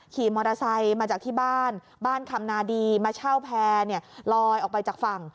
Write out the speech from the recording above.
ขี่มอเตอร์ไซค์มาจากที่บ้านบ้านคำนาดีมาเช่าแพร่ลอยออกไปจากฝั่ง